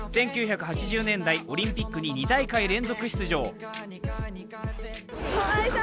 １９８２年代、オリンピックに２大会連続出場。